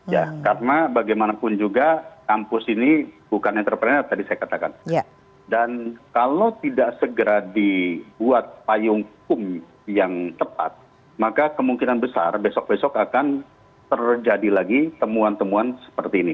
ya karena bagaimanapun juga kampus ini bukan entrepreneur tadi saya katakan dan kalau tidak segera dibuat payung hukum yang tepat maka kemungkinan besar besok besok akan terjadi lagi temuan temuan seperti ini